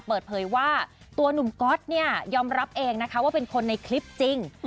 เปิดเผยว่าตัวหนุ่มก๊อตเนี่ยยอมรับเองนะคะว่าเป็นคนในคลิปจริง